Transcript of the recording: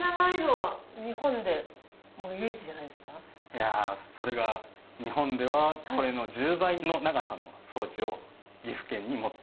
いやそれが日本ではこれの１０倍の長さの装置を岐阜県に持っています。